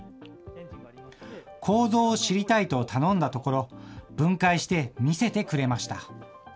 構造を知りたいと頼んだところ、分解して見せてくれました。